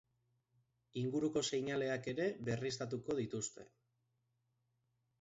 Inguruko seinaleak ere berriztatuko dituzte.